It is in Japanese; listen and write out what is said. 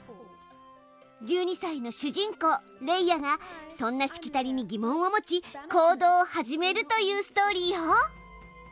１２さいの主人公レイヤがそんなしきたりに疑問を持ち行動を始めるというストーリーよ。